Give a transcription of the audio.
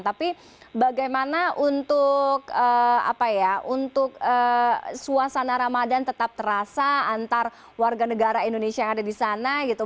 tapi bagaimana untuk apa ya untuk suasana ramadan tetap terasa antar warga negara indonesia yang ada di sana gitu